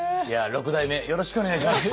六代目よろしくお願いします。